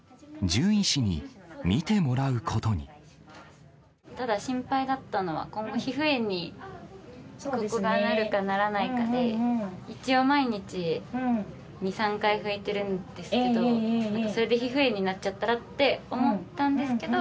獣医師に、ただ、心配だったのは、今後、皮膚炎にここがなるかならないかで、一応、毎日、２、３回拭いてるんですけど、それで皮膚炎になっちゃったらって思ったんですけど。